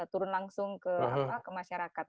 turun langsung ke masyarakat